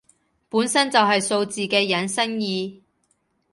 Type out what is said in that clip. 本身就係數字嘅引申義